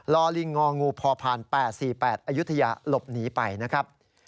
อลิงงองูพอผ่าน๘๔๘อายุทยาหลบหนีไปนะครับ